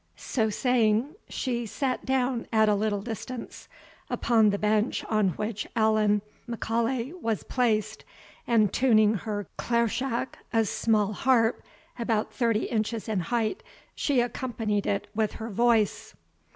So saying, she sate down at a little distance upon the bench on which Allan M'Aulay was placed, and tuning her clairshach, a small harp, about thirty inches in height, she accompanied it with her voice.